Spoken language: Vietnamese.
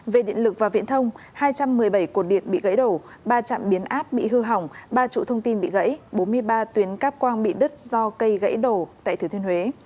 về điện lực và viễn thông hai trăm một mươi bảy cột điện bị gãy đổ ba trạm biến áp bị hư hỏng ba trụ thông tin bị gãy bốn mươi ba tuyến cắp quang bị đứt do cây gãy đổ tại thừa thiên huế